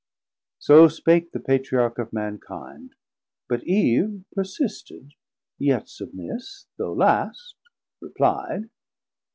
So spake the Patriarch of Mankinde, but Eve Persisted, yet submiss, though last, repli'd.